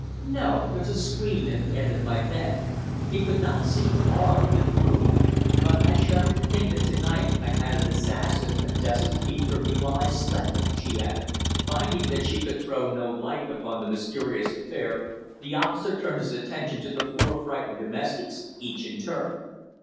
"No. There's a screen at the end of my bed. He could not see far into the room. But I shudder to think that to night I've had an assassin a dozen feet from me while I slept," she added. Finding that she could throw no light upon the mysterious affair, the officer turned his attention to the four frightened domestics, each in turn.